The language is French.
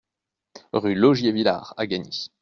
Rue Laugier Villars à Gagny